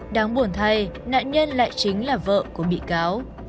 đáng buồn thay nạn nhân lại chính là vợ của bị cáo